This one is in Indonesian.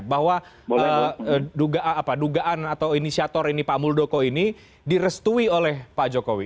bahwa dugaan atau inisiator ini pak muldoko ini direstui oleh pak jokowi